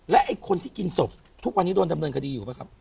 ไอ้คนที่กินศพทุกวันนี้โดนดำเนินคดีอยู่ป่ะครับ